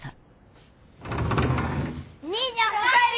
兄ちゃんおかえり！